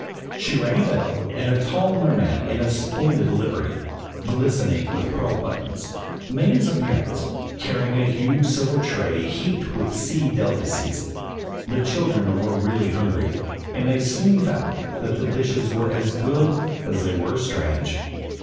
She rang a bell, and a tall merman in a splendid livery, glistening with pearl buttons, made his appearance, carrying a huge silver tray heaped with sea delicacies. The children were really hungry, and they soon found that the dishes were as good as they were strange.